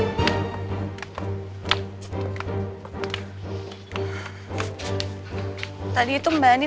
beda lagi buruk beliau